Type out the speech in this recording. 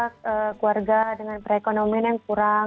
keluarga dengan perekonomian yang kurang